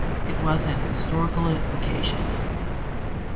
It was an historical occasion.